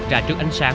trả trước ánh sáng